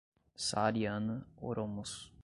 Saariana, oromos